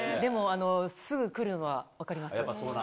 すぐ来るのは分かります。